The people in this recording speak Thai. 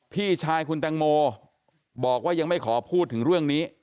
พี่ชายคุณแตงโมบอกว่ายังไม่ขอพูดถึงเรื่องนี้